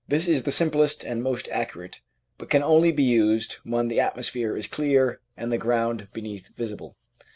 This is the simplest and most accurate, but can only be used when the atmosphere is clear and the ground beneath visible.